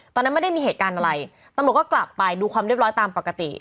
ตอนนั้นไม่ได้มีเหตุการณ์อะไรตำรวจก็กลับไปดูความเรียบร้อยตามปกติ